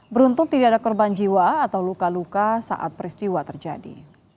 beruntung tidak ada korban jiwa atau luka luka saat peristiwa terjadi